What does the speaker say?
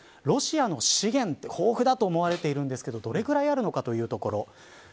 ロシアな資源、豊富だと思われているんですがどれぐらいあるのかというところ。